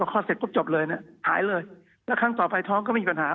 พอข้อเสร็จก็จบเลยน่ะหายเลยแล้วครั้งต่อไปท้องก็มีปัญหา